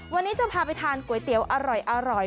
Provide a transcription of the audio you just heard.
วันนี้จะพาไปทานก๋วยเตี๋ยวอร่อย